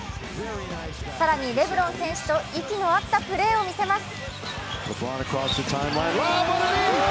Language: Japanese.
更に、レブロン選手と息の合ったプレーを見せます。